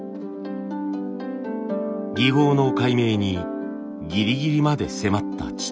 技法の解明にギリギリまで迫った父。